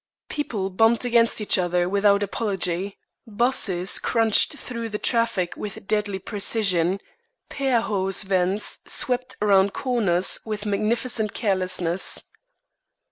People bumped against each other without apology, 'buses crunched through the traffic with deadly precision, pair horse vans swept around corners with magnificent carelessness.